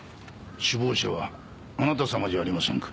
首謀者はあなた様じゃありませんか。